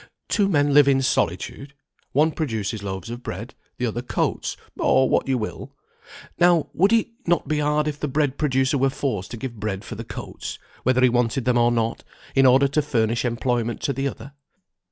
Two men live in solitude; one produces loaves of bread, the other coats, or what you will. Now, would it not be hard if the bread producer were forced to give bread for the coats, whether he wanted them or not, in order to furnish employment to the other?